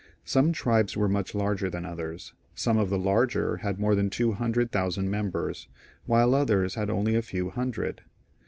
Some tribes were much larger than others ; some of the larger had more than two hundred thousand members, while others had only a few 8 CJSSAR IN GA UL. [CH. hundred.